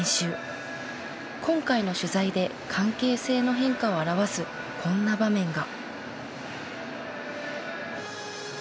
今回の取材で関係性の変化を表すこんな場面が。